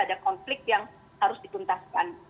ada konflik yang harus dituntaskan